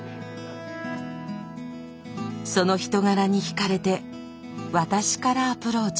その人柄に惹かれて私からアプローチ。